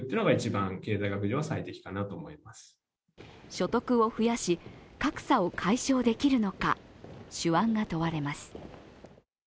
所得を増やし、格差を解消できるのか、手腕が問われます。